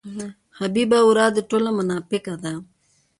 حبیبه ورا دې ټوله مناپیکه ده.